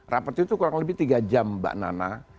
rapat itu kurang lebih tiga jam mbak nana